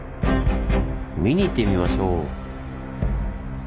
見に行ってみましょう。